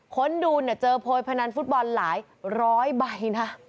ค้นดูเนี่ยเจอโพยพนันฟุตบอลหลายร้อยใบนะ